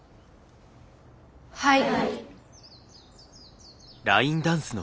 はい。